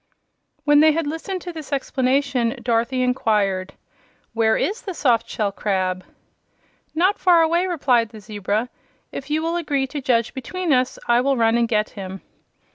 When they had listened to this explanation Dorothy inquired: "Where is the soft shell crab?" "Not far away," replied the zebra. "If you will agree to judge between us I will run and get him."